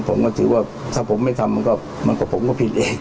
ผมก็ถือว่าถ้าผมไม่ทำมันก็ผมก็ผิดเอง